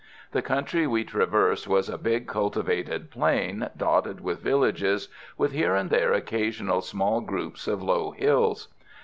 The country we traversed was a big cultivated plain, dotted with villages, with here and there occasional small groups of low hills.